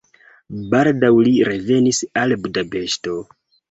Baldaŭ li revenis al Budapeŝto.